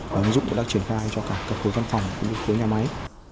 và ứng dụng đã triển khai cho cả cập hối văn phòng cũng như cập hối nhà máy